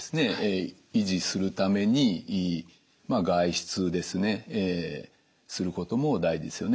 維持するために外出ですねすることも大事ですよね。